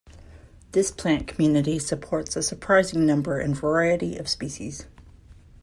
This plant community supports a surprising number and variety of species.